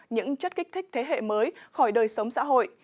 những chất kích thích thế hệ mới khỏi đời sống xã hội